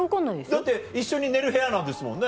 だって一緒に寝る部屋なんですもんね。